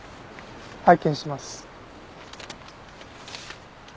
拝見します。